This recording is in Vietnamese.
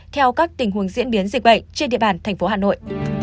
theo các tình huống diễn biến dịch bệnh trên địa bàn tp hà nội